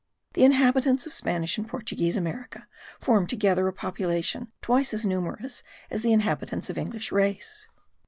The inhabitants of Spanish and Portuguese America form together a population twice as numerous as the inhabitants of English race.